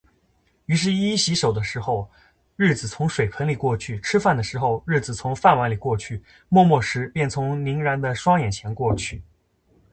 于是——洗手的时候，日子从水盆里过去；吃饭的时候，日子从饭碗里过去；默默时，便从凝然的双眼前过去。